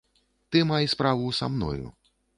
Ты май справу са мною.